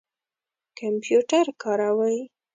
کمپیوټر کاروئ؟